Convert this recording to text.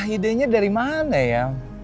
ide nya dari mana ya